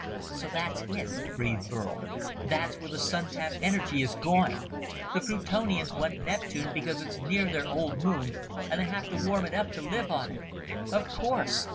"So that's it," breathed Burl. "That's where the Sun tap energy is going. The Plutonians want Neptune because it's near their old moon, and they have to warm it up to live on it. Of course!